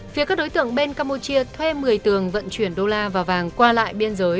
phía các đối tượng bên campuchia thuê một mươi tường vận chuyển đô la và vàng qua lại biên giới